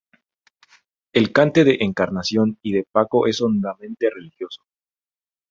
El cante de Encarnación y de Paco es hondamente religioso.